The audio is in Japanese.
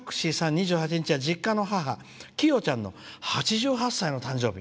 ２８日は、実家の母きよちゃんの８８歳の誕生日。